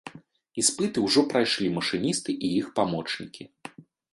Іспыты ўжо прайшлі машыністы і іх памочнікі.